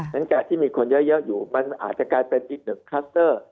ฉะที่มีคนเยอะอยู่มันอาจจะกลายเป็นอีกหนึ่งคลัสเตอร์